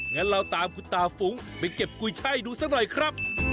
งั้นเราตามคุณตาฟุ้งไปเก็บกุยช่ายดูซะหน่อยครับ